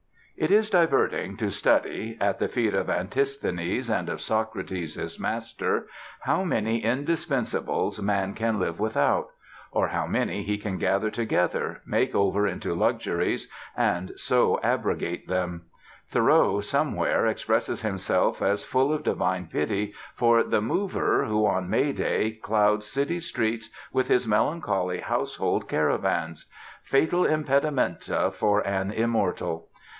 It is diverting to study, at the feet of Antisthenes and of Socrates his master, how many indispensables man can live without; or how many he can gather together, make over into luxuries, and so abrogate them. Thoreau somewhere expresses himself as full of divine pity for the "mover," who on May Day clouds city streets with his melancholy household caravans: fatal impedimenta for an immortal.